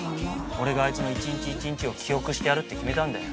俺があいつの一日一日を記憶してやるって決めたんだよ。